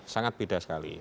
sangat beda sekali